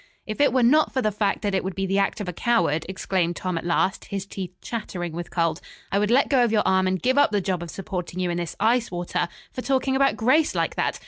"If it were not for the fact that it would be the act of a coward," exclaimed Tom at last, his teeth chattering with cold, "I would let go of your arm and give up the job of supporting you in this ice water for talking about Grace like that.